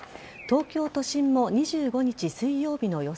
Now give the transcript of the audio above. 東京都心も２５日水曜日の予想